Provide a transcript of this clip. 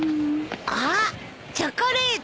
あっチョコレート。